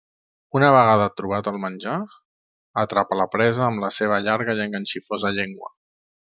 Una vegada trobat el menjar, atrapa la presa amb la seva llarga i enganxifosa llengua.